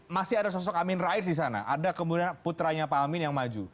masih ada sosok amin rais di sana ada kemudian putranya pak amin yang maju